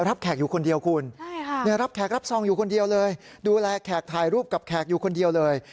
แขกอยู่คนเดียวคุณรับแขกรับซองอยู่คนเดียวเลยดูแลแขกถ่ายรูปกับแขกอยู่คนเดียวเลย